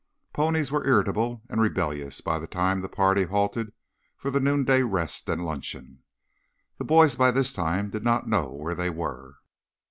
Ponies were irritable and rebellious by the time the party halted for the noonday rest and luncheon. The boys by this time did not know where they were.